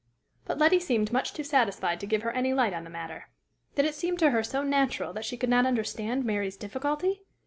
But Letty seemed much too satisfied to give her any light on the matter. Did it seem to her so natural that she could not understand Mary's difficulty?